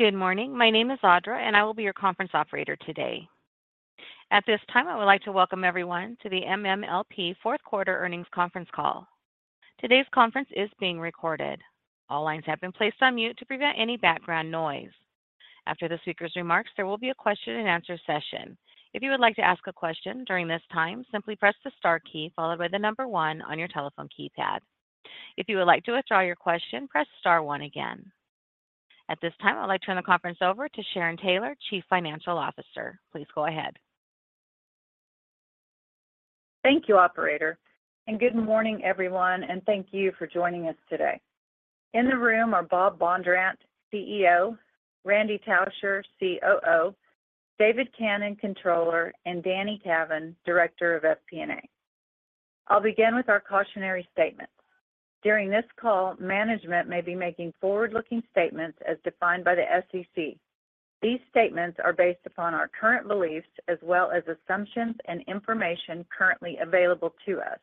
Good morning. My name is Audra, I will be your conference operator today. At this time, I would like to welcome everyone to the MMLP Fourth Quarter Earnings Conference Call. Today's conference is being recorded. All lines have been placed on mute to prevent any background noise. After the speaker's remarks, there will be a question-and-answer session. If you would like to ask a question during this time, simply press the star key followed by the number 1 on your telephone keypad. If you would like to withdraw your question, press star 1 again. At this time, I'd like to turn the conference over to Sharon Taylor, Chief Financial Officer. Please go ahead. Thank you operator. Good morning, everyone, and thank you for joining us today. In the room are Bob Bondurant, CEO; Randy Tauscher, COO; David Cannon, Controller; and Danny Cavin, Director of FP&A. I'll begin with our cautionary statements. During this call, management may be making forward-looking statements as defined by the SEC. These statements are based upon our current beliefs as well as assumptions and information currently available to us.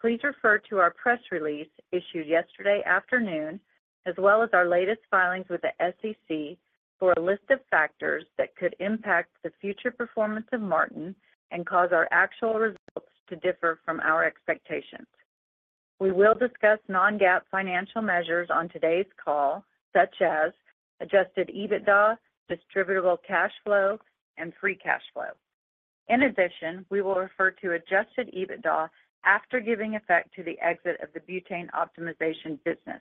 Please refer to our press release issued yesterday afternoon as well as our latest filings with the SEC for a list of factors that could impact the future performance of Martin and cause our actual results to differ from our expectations. We will discuss non-GAAP financial measures on today's call, such as Adjusted EBITDA, Distributable Cash Flow, and Free Cash Flow. In addition, we will refer to Adjusted EBITDA after giving effect to the exit of the butane optimization business.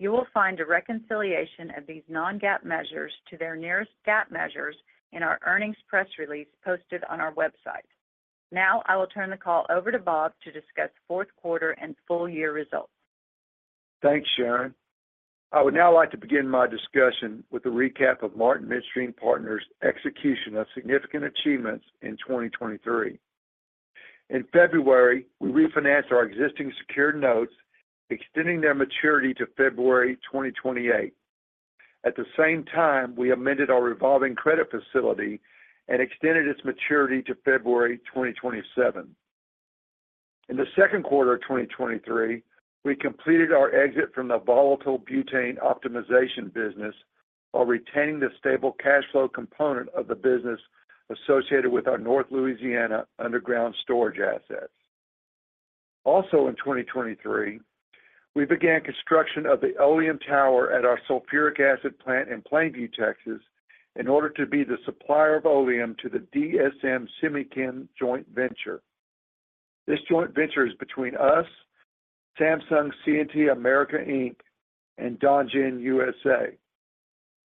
You will find a reconciliation of these non-GAAP measures to their nearest GAAP measures in our earnings press release posted on our website. Now I will turn the call over to Bob to discuss fourth-quarter and full-year results. Thanks, Sharon. I would now like to begin my discussion with a recap of Martin Midstream Partners' execution of significant achievements in 2023. In February, we refinanced our existing secured notes, extending their maturity to February 2028. At the same time, we amended our revolving credit facility and extended its maturity to February 2027. In the second quarter of 2023, we completed our exit from the volatile butane optimization business while retaining the stable cash flow component of the business associated with our North Louisiana underground storage assets. Also in 2023, we began construction of the Oleum Tower at our sulfuric acid plant in Plainview, Texas, in order to be the supplier of Oleum to the DSM Semichem joint venture. This joint venture is between us, Samsung C&T America, Inc., and Dongjin U.S.A.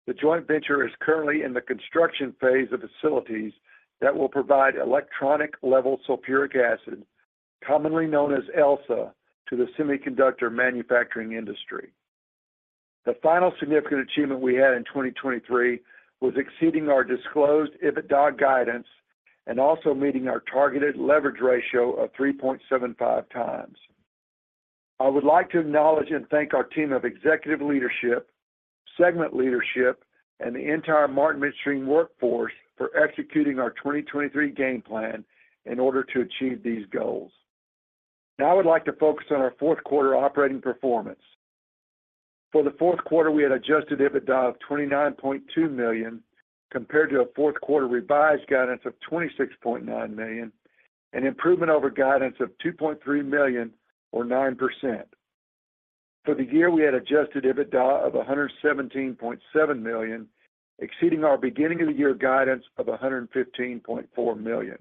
The joint venture is currently in the construction phase of facilities that will provide electronic-level sulfuric acid, commonly known as ELSA, to the semiconductor manufacturing industry. The final significant achievement we had in 2023 was exceeding our disclosed EBITDA guidance and also meeting our targeted leverage ratio of 3.75x. I would like to acknowledge and thank our team of executive leadership, segment leadership, and the entire Martin Midstream workforce for executing our 2023 game plan in order to achieve these goals. Now I would like to focus on our fourth-quarter operating performance. For the fourth quarter, we had adjusted EBITDA of $29.2 million compared to a fourth-quarter revised guidance of $26.9 million, an improvement over guidance of $2.3 million or 9%. For the year, we had adjusted EBITDA of $117.7 million, exceeding our beginning-of-the-year guidance of $115.4 million.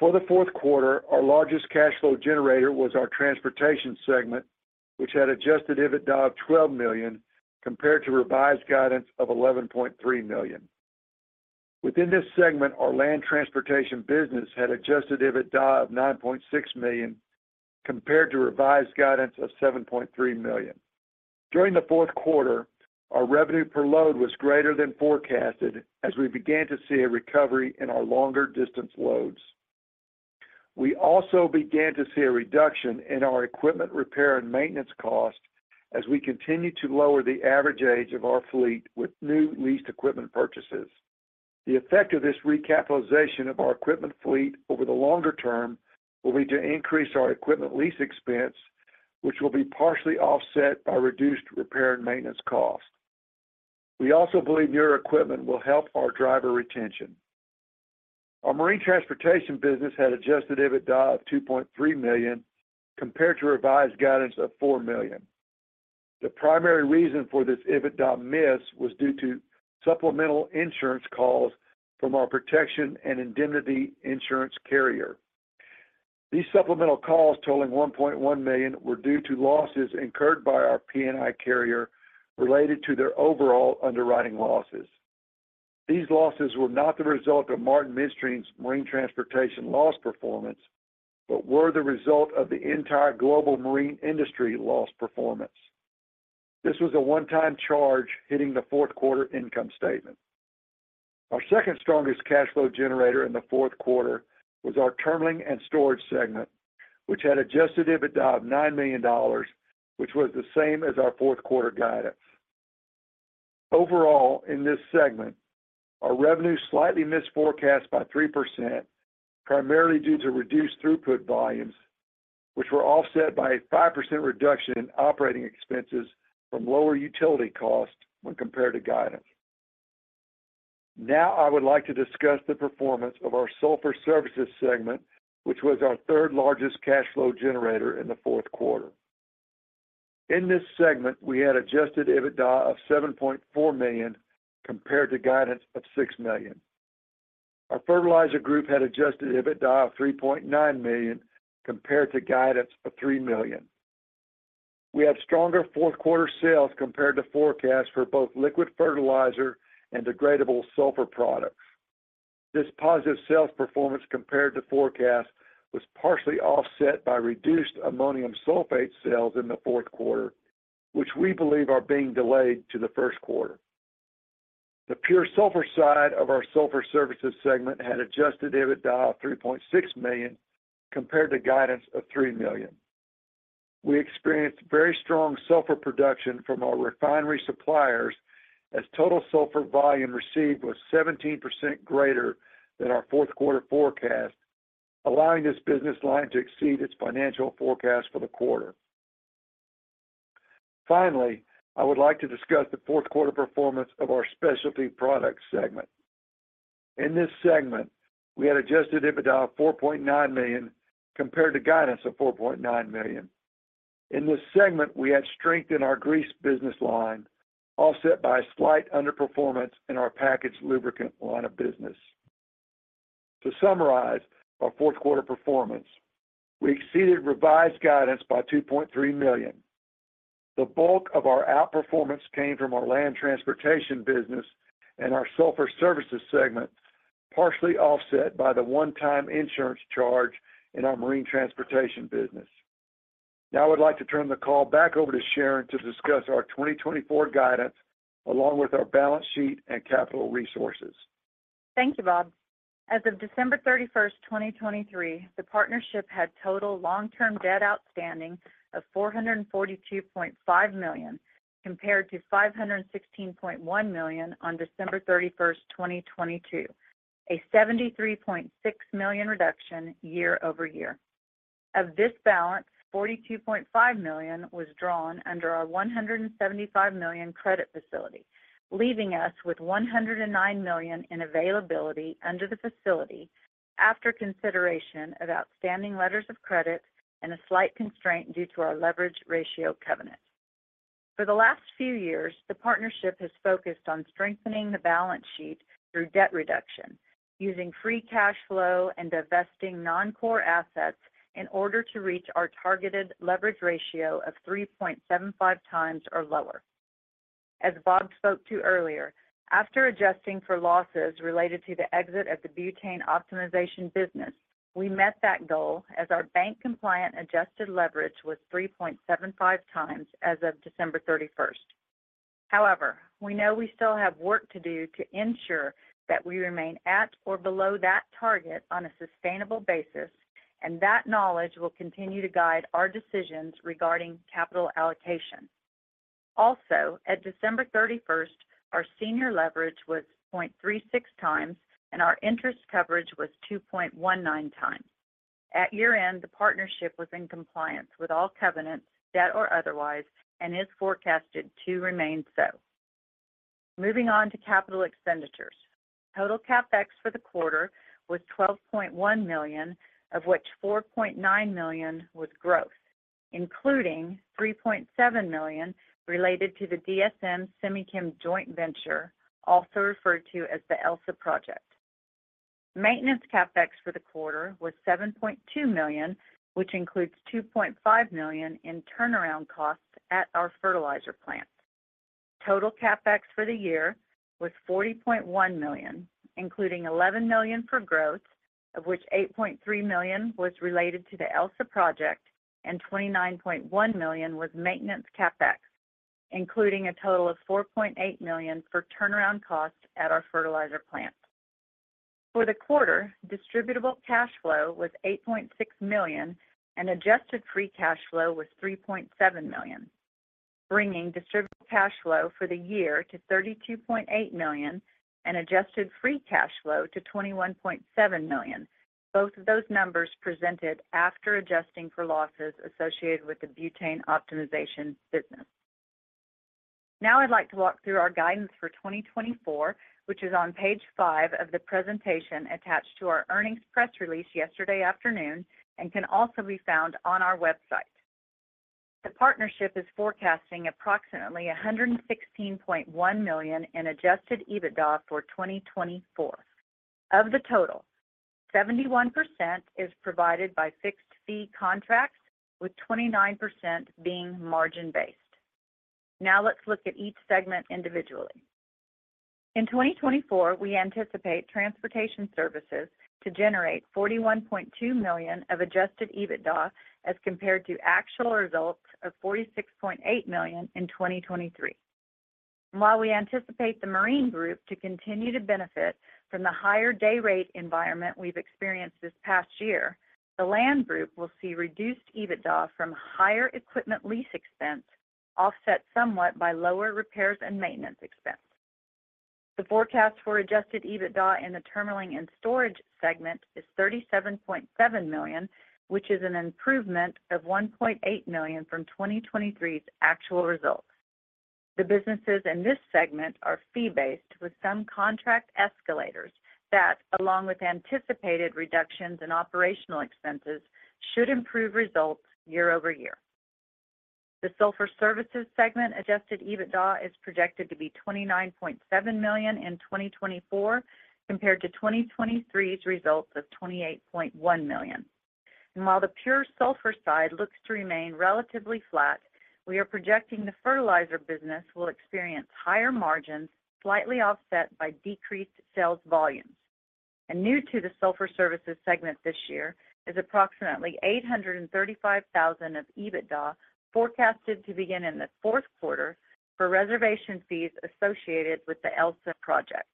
For the fourth quarter, our largest cash flow generator was our transportation segment, which had Adjusted EBITDA of $12 million compared to revised guidance of $11.3 million. Within this segment, our land transportation business had adjusted EBITDA of $9.6 million compared to revised guidance of $7.3 million. During the fourth quarter, our revenue per load was greater than forecasted as we began to see a recovery in our longer-distance loads. We also began to see a reduction in our equipment repair and maintenance costs as we continue to lower the average age of our fleet with new leased equipment purchases. The effect of this recapitalization of our equipment fleet over the longer term will be to increase our equipment lease expense, which will be partially offset by reduced repair and maintenance costs. We also believe newer equipment will help our driver retention. Our marine transportation business had adjusted EBITDA of $2.3 million compared to revised guidance of $4 million. The primary reason for this EBITDA miss was due to supplemental insurance calls from our Protection and Indemnity insurance carrier. These supplemental calls totaling $1.1 million were due to losses incurred by our P&I carrier related to their overall underwriting losses. These losses were not the result of Martin Midstream's marine transportation loss performance, were the result of the entire global marine industry loss performance. This was a one-time charge hitting the fourth-quarter income statement. Our second strongest cash flow generator in the fourth quarter was our terminal and storage segment, which had adjusted EBITDA of $9 million, which was the same as our fourth-quarter guidance. Overall, in this segment, our revenue slightly missed forecast by 3% primarily due to reduced throughput volumes, which were offset by a 5% reduction in operating expenses from lower utility costs when compared to guidance. Now I would like to discuss the performance of our sulfur services segment, which was our third-largest cash flow generator in the fourth quarter. In this segment, we had Adjusted EBITDA of $7.4 million compared to guidance of $6 million. Our fertilizer group had Adjusted EBITDA of $3.9 million compared to guidance of $3 million. We had stronger fourth-quarter sales compared to forecasts for both liquid fertilizer and degradable sulfur products. This positive sales performance compared to forecasts was partially offset by reduced ammonium sulfate sales in the fourth quarter, which we believe are being delayed to the first quarter. The pure sulfur side of our sulfur services segment had Adjusted EBITDA of $3.6 million compared to guidance of $3 million. We experienced very strong sulfur production from our refinery suppliers as total sulfur volume received was 17% greater than our fourth-quarter forecast, allowing this business line to exceed its financial forecast for the quarter. Finally, I would like to discuss the fourth-quarter performance of our specialty products segment. In this segment, we had Adjusted EBITDA of $4.9 million compared to guidance of $4.9 million. In this segment, we had strength in our grease business line, offset by a slight underperformance in our packaged lubricant line of business. To summarize our fourth-quarter performance, we exceeded revised guidance by $2.3 million. The bulk of our outperformance came from our land transportation business and our sulfur services segment, partially offset by the one-time insurance charge in our marine transportation business. Now I would like to turn the call back over to Sharon to discuss our 2024 guidance along with our balance sheet and capital resources. Thank you, Bob. As of December 31st, 2023, the partnership had total long-term debt outstanding of $442.5 million compared to $516.1 million on December 31st, 2022, a $73.6 million reduction year-over-year. Of this balance, $42.5 million was drawn under our $175 million credit facility, leaving us with $109 million in availability under the facility after consideration of outstanding letters of credit and a slight constraint due to our Leverage Ratio covenant. For the last few years, the partnership has focused on strengthening the balance sheet through debt reduction, using free cash flow and divesting non-core assets in order to reach our targeted Leverage Ratio of 3.75 times or lower. As Bob spoke to earlier, after adjusting for losses related to the exit of the butane optimization business, we met that goal as our Bank-Compliant Adjusted Leverage was 3.75 times as of December 31st. However, we know we still have work to do to ensure that we remain at or below that target on a sustainable basis, and that knowledge will continue to guide our decisions regarding capital allocation. At December 31st, our senior leverage was 0.36 times, and our interest coverage was 2.19 times. At year-end, the partnership was in compliance with all covenants, debt or otherwise, and is forecasted to remain so. Moving on to capital expenditures, total CapEx for the quarter was $12.1 million, of which $4.9 million was growth, including $3.7 million related to the DSM Semichem joint venture, also referred to as the ELSA project. Maintenance CapEx for the quarter was $7.2 million, which includes $2.5 million in turnaround costs at our fertilizer plant. Total CapEx for the year was $40.1 million, including $11 million for growth, of which $8.3 million was related to the ELSA project, and $29.1 million was maintenance CapEx, including a total of $4.8 million for turnaround costs at our fertilizer plant. For the quarter, distributable cash flow was $8.6 million, and adjusted free cash flow was $3.7 million, bringing distributable cash flow for the year to $32.8 million and adjusted free cash flow to $21.7 million. Both of those numbers presented after adjusting for losses associated with the butane optimization business. Now I'd like to walk through our guidance for 2024, which is on page 5 of the presentation attached to our earnings press release yesterday afternoon and can also be found on our website. The partnership is forecasting approximately $116.1 million in Adjusted EBITDA for 2024. Of the total, 71% is provided by fixed-fee contracts, with 29% being margin-based. Now let's look at each segment individually. In 2024, we anticipate transportation services to generate $41.2 million of adjusted EBITDA as compared to actual results of $46.8 million in 2023. While we anticipate the marine group to continue to benefit from the higher day-rate environment we've experienced this past year, the land group will see reduced EBITDA from higher equipment lease expense, offset somewhat by lower repairs and maintenance expense. The forecast for adjusted EBITDA in the terminal and storage segment is $37.7 million, which is an improvement of $1.8 million from 2023's actual results. The businesses in this segment are fee-based, with some contract escalators that, along with anticipated reductions in operational expenses, should improve results year-over-year. The sulfur services segment Adjusted EBITDA is projected to be $29.7 million in 2024 compared to 2023's results of $28.1 million. While the pure sulphur side looks to remain relatively flat, we are projecting the fertilizer business will experience higher margins, slightly offset by decreased sales volumes. New to the sulphur services segment this year is approximately $835,000 of EBITDA forecasted to begin in the fourth quarter for reservation fees associated with the ELSA project.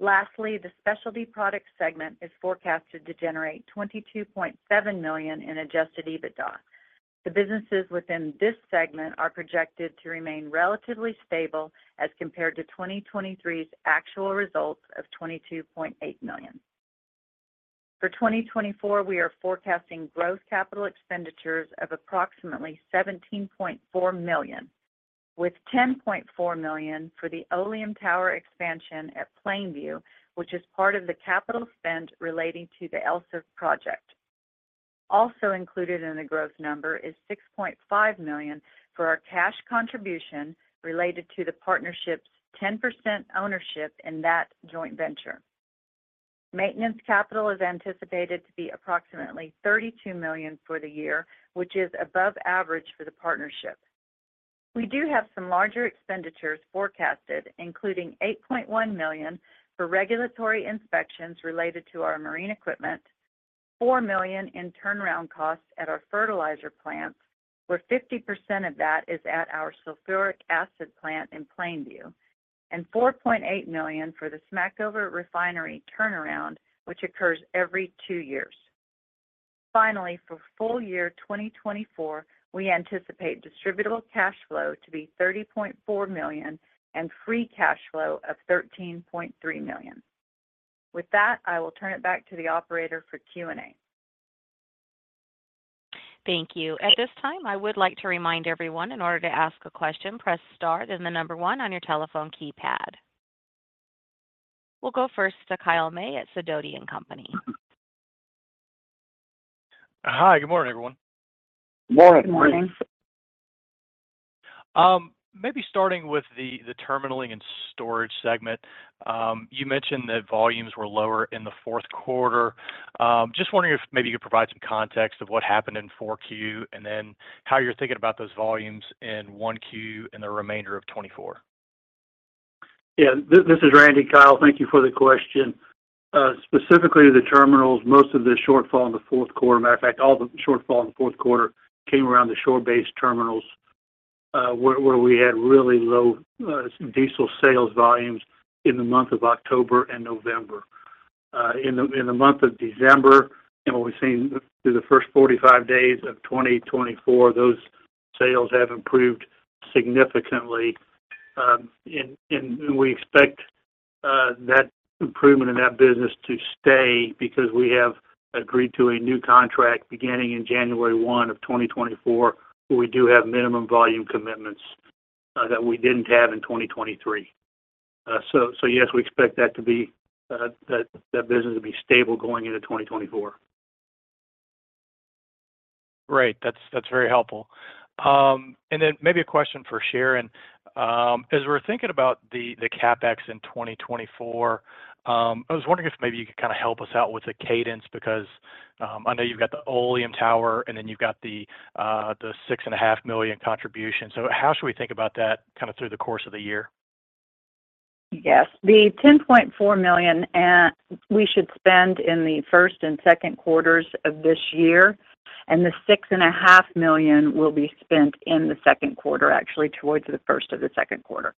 Lastly, the specialty products segment is forecasted to generate $22.7 million in adjusted EBITDA. The businesses within this segment are projected to remain relatively stable as compared to 2023's actual results of $22.8 million. For 2024, we are forecasting growth capital expenditures of approximately $17.4 million, with $10.4 million for the Oleum Tower expansion at Plainview, which is part of the capital spend relating to the ELSA project. Included in the growth number is $6.5 million for our cash contribution related to the partnership's 10% ownership in that joint venture. Maintenance capital is anticipated to be approximately $32 million for the year, which is above average for the partnership. We do have some larger expenditures forecasted, including $8.1 million for regulatory inspections related to our marine equipment, $4 million in turnaround costs at our fertilizer plant, where 50% of that is at our sulfuric acid plant in Plainview, and $4.8 million for the Smackover refinery turnaround, which occurs every two years. Finally, for full year 2024, we anticipate distributable cash flow to be $30.4 million and free cash flow of $13.3 million. With that, I will turn it back to the operator for Q&A. Thank you. At this time, I would like to remind everyone, in order to ask a question, press star and the number one on your telephone keypad. We'll go first to Kyle May at Sidoti & Company. Hi. Good morning, everyone. Good morning. Good morning. Maybe starting with the terminalling and storage segment. You mentioned that volumes were lower in the fourth quarter. Just wondering if maybe you could provide some context of what happened in 4Q and then how you're thinking about those volumes in 1Q and the remainder of 2024? Yeah. This is Randy. Kyle, thank you for the question. Specifically to the terminals, most of the shortfall in the fourth quarter matter of fact, all the shortfall in the fourth quarter came around the shore-based terminals where we had really low diesel sales volumes in the month of October and November. In the month of December and what we've seen through the first 45 days of 2024, those sales have improved significantly. We expect that improvement in that business to stay because we have agreed to a new contract beginning in January 1, 2024 where we do have minimum volume commitments that we didn't have in 2023. So yes, we expect that business to be stable going into 2024. Great. That's very helpful. Maybe a question for Sharon. As we're thinking about the CapEx in 2024, I was wondering if maybe you could kind of help us out with the cadence because I know you've got the Oleum Tower and then you've got the $6.5 million contribution. So how should we think about that kind of through the course of the year? Yes. The $10.4 million we should spend in the first and second quarters of this year, the $6.5 million will be spent in the second quarter, actually, towards the first of the second quarter.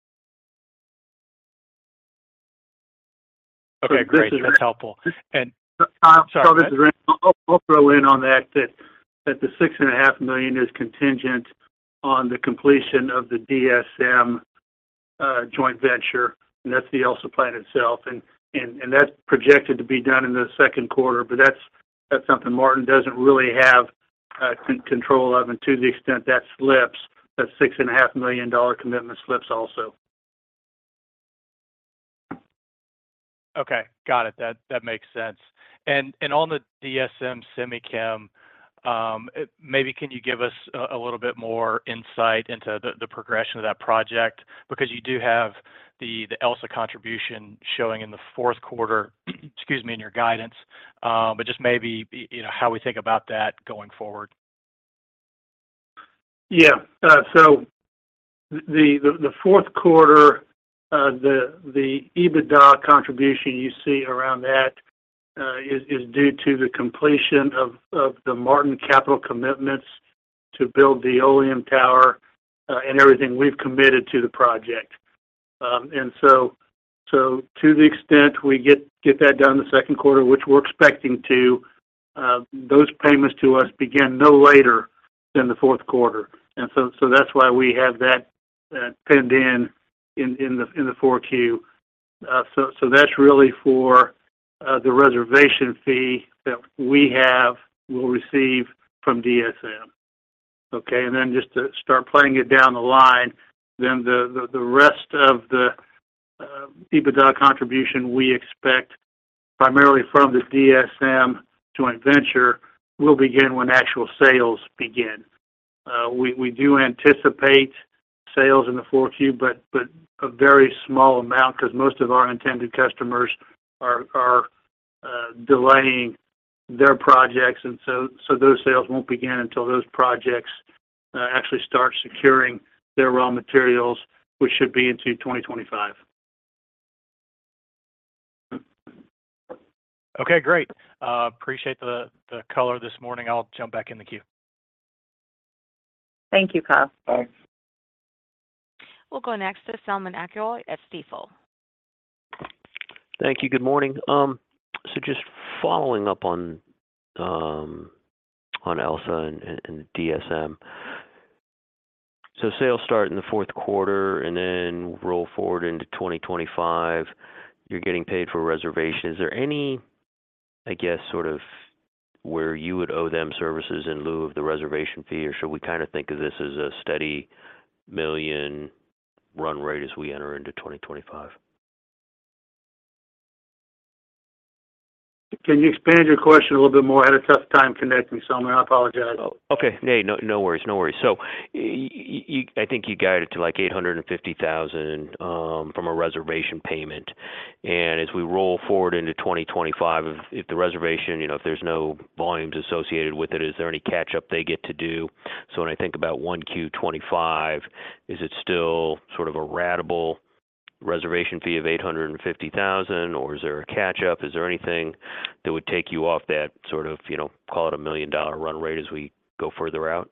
Okay. Great. That's helpful. Kyle, this is Randy. I'll throw in on that, that the $6.5 million is contingent on the completion of the DSM joint venture, and that's the ELSA plant itself. That's projected to be done in the second quarter, that's something Martin doesn't really have control of. To the extent that slips, that $6.5 million commitment slips also. Okay. Got it. That makes sense. On the DSM Semichem, maybe can you give us a little bit more insight into the progression of that project because you do have the ELSA contribution showing in the fourth quarter, excuse me, in your guidance, but just maybe how we think about that going forward. Yeah. The fourth quarter, the EBITDA contribution you see around that is due to the completion of the Martin capital commitments to build the Oleum Tower and everything we've committed to the project. To the extent we get that done in the second quarter, which we're expecting to, those payments to us begin no later than the fourth quarter. That's why we have that pinned in the 4Q. So that's really for the reservation fee that we will receive from DSM. Okay? Just to start playing it down the line, then the rest of the EBITDA contribution we expect, primarily from the DSM joint venture, will begin when actual sales begin. We do anticipate sales in the 4Q, but a very small amount because most of our intended customers are delaying their projects. Those sales won't begin until those projects actually start securing their raw materials, which should be into 2025. Okay. Great. Appreciate the color this morning. I'll jump back in the Q. Thank you, Kyle. Thanks. We'll go next to Selman Akyol at Stifel. Thank you. Good morning. Following up on ELSA and the DSM. Sales start in the fourth quarter, and then roll forward into 2025, you're getting paid for reservation. Is there any, sort of where you would owe them services in lieu of the reservation fee, or should we kind of think of this as a steady $1 million run rate as we enter into 2025? Can you expand your question a little bit more? I had a tough time connecting, Selman. I apologize. Oh, okay. Hey, no worries. No worries. I think you guided to like $850,000 from a reservation payment. And as we roll forward into 2025, if the reservation—if there's no volumes associated with it—is there any catch-up they get to do? So when I think about 1Q 2025, is it still sort of a ratable reservation fee of $850,000, or is there a catch-up? Is there anything that would take you off that sort of, call it a million-dollar run rate—as we go further out?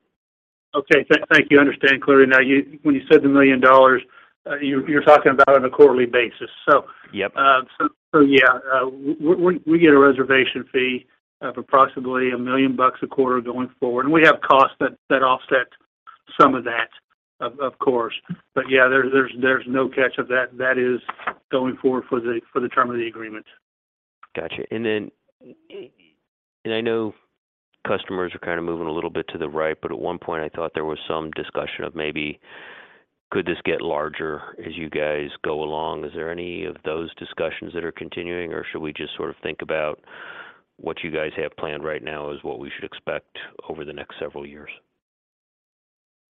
Okay. Thank you. I understand clearly. Now, when you said $1 million, you're talking about on a quarterly basis. Yeah, we get a reservation fee of approximately $1 million a quarter going forward. We have costs that offset some of that, of course. Yeah, there's no catch-up. That is going forward for the term of the agreement. Gotcha. I know customers are kind of moving a little bit to the right, but at one point, I thought there was some discussion of maybe, "Could this get larger as you guys go along?" Is there any of those discussions that are continuing, or should we just sort of think about what you guys have planned right now as what we should expect over the next several years?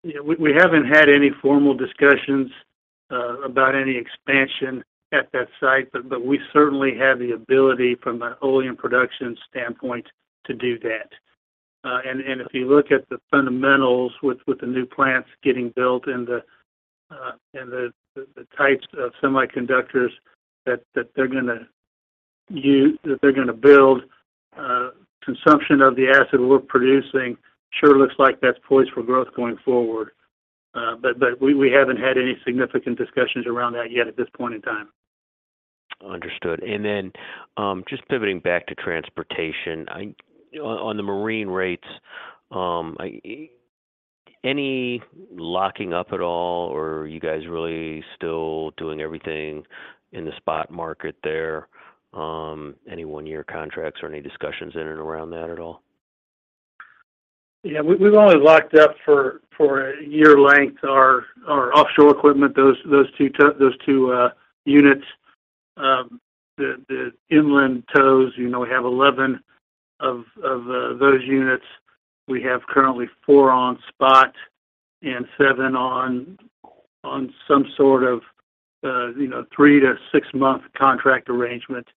Yeah. We haven't had any formal discussions about any expansion at that site, but we certainly have the ability, from an oil and production standpoint, to do that. If you look at the fundamentals with the new plants getting built and the types of semiconductors that they're going to use that they're going to build, consumption of the acid we're producing sure looks like that's poised for growth going forward. We haven't had any significant discussions around that yet at this point in time. Understood. Then just pivoting back to transportation, on the marine rates, any locking up at all, or are you guys really still doing everything in the spot market there? Any one-year contracts or any discussions in and around that at all? Yeah. We've only locked up for a year-length our offshore equipment, those 2 units. The inland tows, we have 11 of those units. We have currently 4 on spot and 7 on some sort of 3-6-month contract arrangement.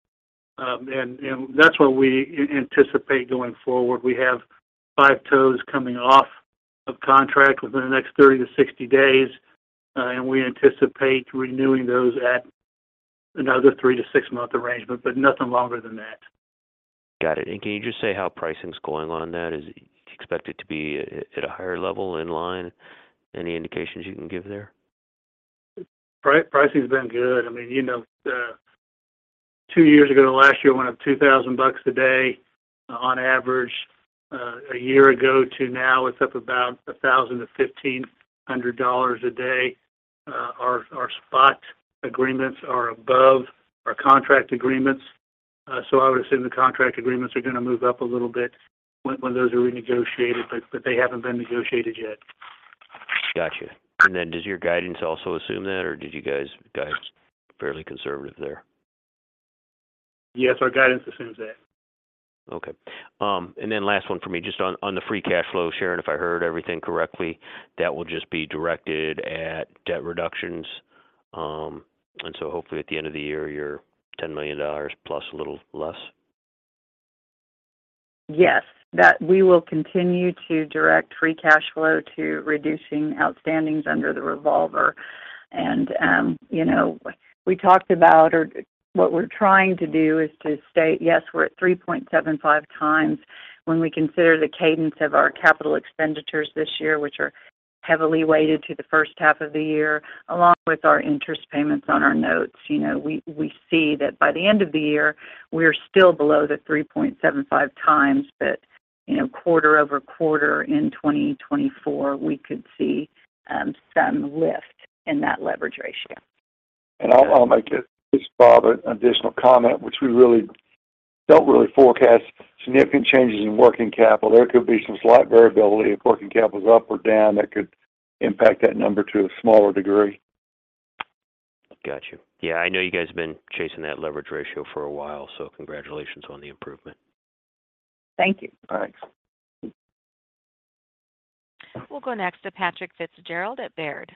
That's what we anticipate going forward. We have 5 tows coming off of contract within the next 30-60 days, and we anticipate renewing those at another 3-6-month arrangement, but nothing longer than that. Got it. Can you just say how pricing's going on that? Is it expected to be at a higher level, in line? Any indications you can give there? Pricing's been good. I mean, two years ago, last year, went up $2,000 bucks a day on average. A year ago to now, it's up about $1,000-$1,500 dollars a day. Our spot agreements are above our contract agreements. I would assume the contract agreements are going to move up a little bit when those are renegotiated, but they haven't been negotiated yet. Gotcha. Then does your guidance also assume that, or did you guys guide fairly conservative there? Yes. Our guidance assumes that. Okay. Last one for me, just on the free cash flow, Sharon, if I heard everything correctly, that will just be directed at debt reductions. Hopefully, at the end of the year, you're $10 million plus a little less? Yes. We will continue to direct Free Cash Flow to reducing outstandings under the revolver. We talked about or what we're trying to do is to stay, yes, we're at 3.75 times. When we consider the cadence of our capital expenditures this year, which are heavily weighted to the first half of the year, along with our interest payments on our notes. We see that by the end of the year, we're still below the 3.75 times, but quarter-over-quarter in 2024, we could see some lift in that Leverage Ratio. I'll make, just Bob, an additional comment, which we don't really forecast significant changes in working capital. There could be some slight variability. If working capital's up or down, that could impact that number to a smaller degree. Gotcha. Yeah. I know you guys have been chasing that leverage ratio for a while, so congratulations on the improvement. Thank you. Thanks. We'll go next to Patrick Fitzgerald at Baird.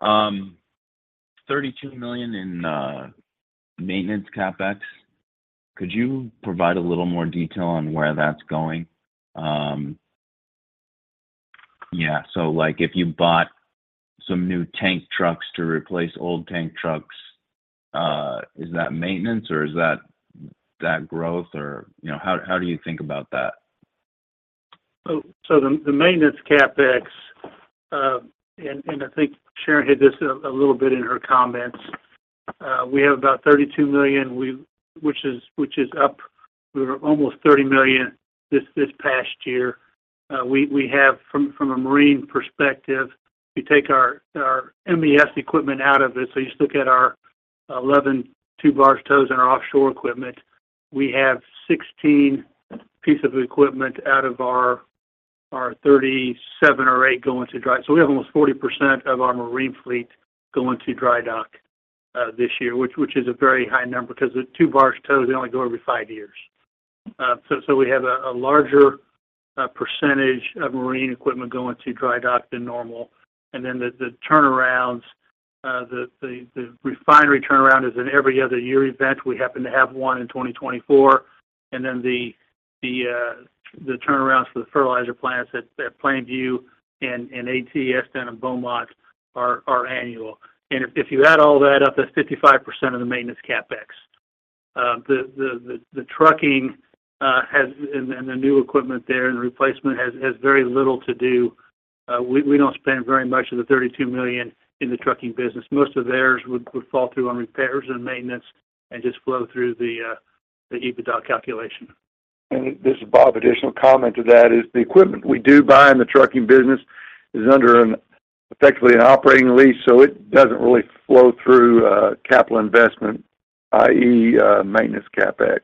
Thanks for taking the questions. $32 million in maintenance CapEx. Could you provide a little more detail on where that's going? Yeah. If you bought some new tank trucks to replace old tank trucks, is that maintenance, or is that growth, or how do you think about that? The maintenance CapEx, and I think Sharon hit this a little bit in her comments, we have about $32 million, which is up. We were almost $30 million this past year. From a marine perspective, if you take our MES equipment out of it, so you just look at our 11 tug barges towed in our offshore equipment, we have 16 pieces of equipment out of our 37 or 38 going to dry dock so we have almost 40% of our marine fleet going to dry dock this year, which is a very high number because the tug barges towed, they only go every five years. We have a larger percentage of marine equipment going to dry dock than normal. The turnarounds, the refinery turnaround is an every-other-year event. We happen to have one in 2024. The turnarounds for the fertilizer plants at Plainview and ATS down in Beaumont are annual. If you add all that up, that's 55% of the maintenance CapEx. The trucking and the new equipment there and the replacement has very little to do. We don't spend very much of the $32 million in the trucking business. Most of theirs would fall through on repairs and maintenance and just flow through the EBITDA calculation. And this is Bob, additional comment to that is the equipment we do buy in the trucking business is under effectively an operating lease, it doesn't really flow through capital investment, i.e., maintenance CapEx.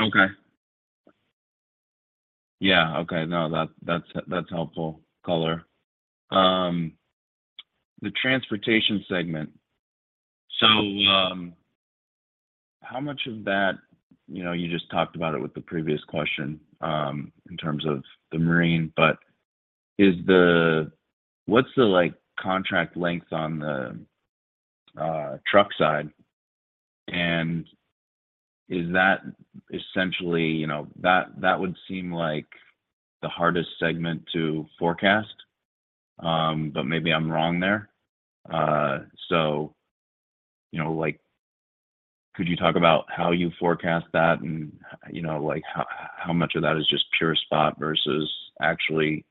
Okay, Yeah. Okay. No, that's helpful color. The transportation segment, how much of that you just talked about it with the previous question in terms of the marine, what's the contract length on the truck side, and is that essentially that would seem like the hardest segment to forecast, but maybe I'm wrong there. Could you talk about how you forecast that and how much of that is just pure spot versus actually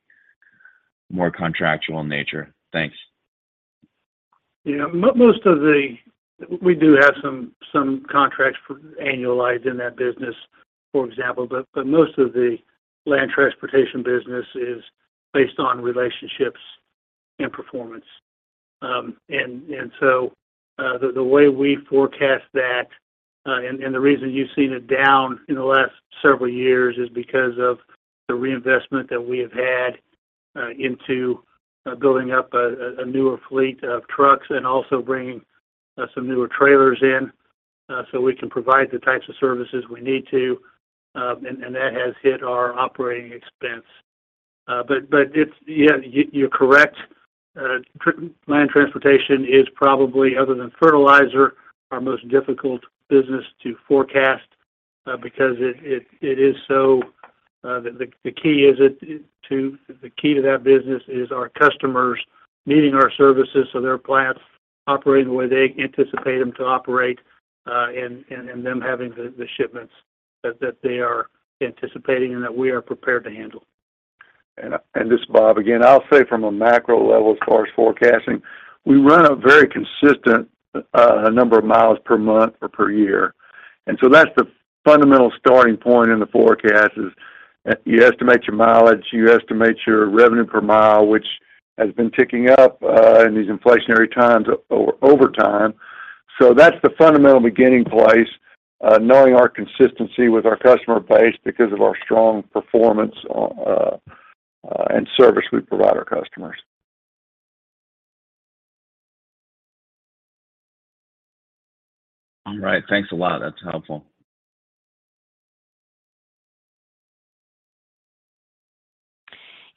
more contractual in nature? Thanks. Yeah. We do have some contracts annualized in that business, for example, but most of the land transportation business is based on relationships and performance. The way we forecast that and the reason you've seen it down in the last several years is because of the reinvestment that we have had into building up a newer fleet of trucks and also bringing some newer trailers in so we can provide the types of services we need to, and that has hit our operating expense. Yeah, you're correct. Land transportation is probably, other than fertilizer, our most difficult business to forecast because the key to that business is our customers needing our services so their plants operating the way they anticipate them to operate and them having the shipments that they are anticipating and that we are prepared to handle. Bob, again, I'll say from a macro level as far as forecasting: we run a very consistent number of miles per month or per year. That's the fundamental starting point in the forecast: you estimate your mileage, you estimate your revenue per mile, which has been ticking up in these inflationary times over time. That's the fundamental beginning place, knowing our consistency with our customer base because of our strong performance and service we provide our customers. All right. Thanks a lot. That's helpful.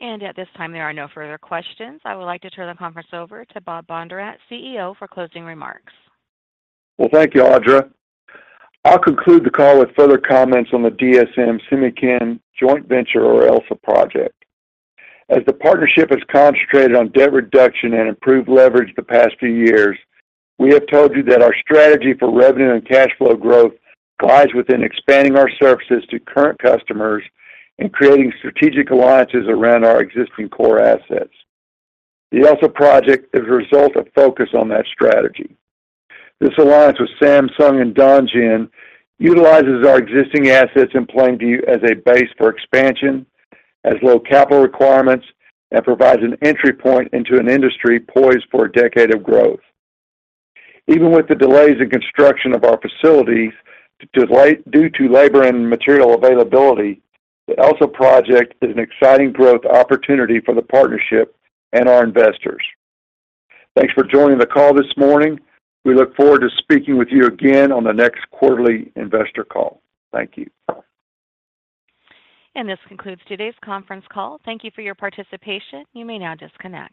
At this time, there are no further questions. I would like to turn the conference over to Bob Bondurant, CEO, for closing remarks. Well, thank you, Audra. I'll conclude the call with further comments on the DSM Semichem joint venture or ELSA project. As the partnership has concentrated on debt reduction and improved leverage the past few years, we have told you that our strategy for revenue and cash flow growth lies within expanding our services to current customers and creating strategic alliances around our existing core assets. The ELSA project is a result of focus on that strategy. This alliance with Samsung and Dongjin utilizes our existing assets in Plainview as a base for expansion, has low capital requirements, and provides an entry point into an industry poised for a decade of growth. Even with the delays in construction of our facilities due to labor and material availability, the ELSA project is an exciting growth opportunity for the partnership and our investors. Thanks for joining the call this morning. We look forward to speaking with you again on the next quarterly investor call. Thank you. This concludes today's conference call. Thank you for your participation. You may now disconnect.